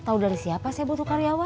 kita kan udah berapa kali ke tempatnya juga